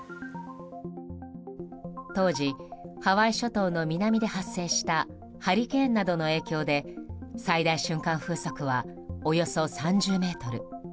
当時、ハワイ諸島の南で発生したハリケーンなどの影響で最大瞬間風速はおよそ３０メートル。